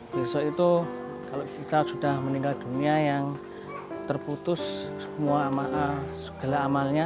besok itu kalau kita sudah meninggal dunia yang terputus segala amalnya